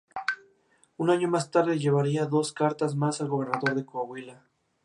Un año más tarde llevaría dos cartas más al Gobernador de Coahuila.